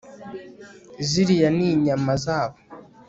ziriya ni inyama zabo